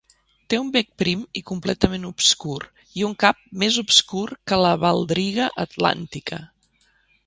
Té un bec prim i completament obscur i un cap més obscur que la baldriga atlàntica.